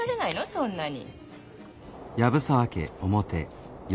そんなに。